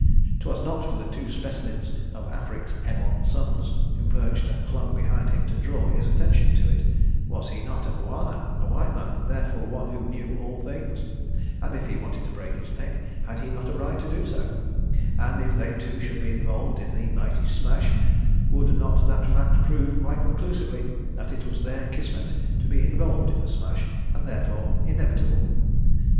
'Twas not for the two specimens of Afric's ebon sons, who perched and clung behind him, to draw his attention to it. Was he not a Bwana, a white man, and therefore one who knew all things? And if he wanted to break his neck had he not a right so to do? And if they, too, should be involved in the mighty smash, would not that fact prove quite conclusively that it was their kismet to be involved in the smash, and therefore inevitable?